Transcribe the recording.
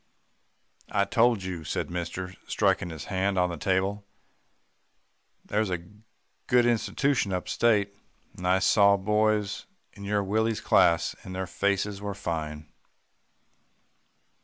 "'I told you,' said mister striking his hand on the table, 'that there's a good institution up state, and I saw boys in your Willie's class, and their faces were fine.